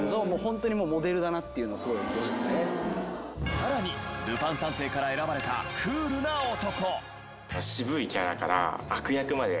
更に『ルパン三世』から選ばれたクールな男。